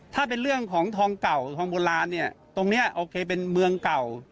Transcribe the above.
ถ้าเป็นเรื่องของทองเก่าทองโบราณเนี่ยตรงนี้โอเคเป็นเมืองเก่า